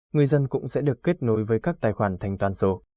người dân cũng sẽ được kết nối với các tài khoản thành toàn số